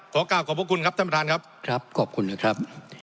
ขอกล่าวขอบพระคุณครับท่านประธานครับครับขอบคุณนะครับ